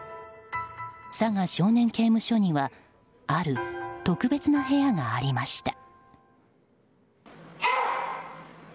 佐賀少年刑務所にはある特別な部屋がありました。